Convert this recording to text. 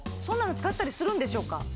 そんなの使ったりするんでしょうか？